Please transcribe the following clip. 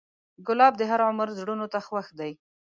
ګلاب د هر عمر زړونو ته خوښ دی.